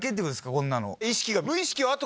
こんなの。